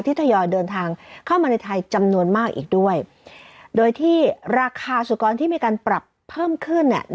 ทยอยเดินทางเข้ามาในไทยจำนวนมากอีกด้วยโดยที่ราคาสุกรที่มีการปรับเพิ่มขึ้น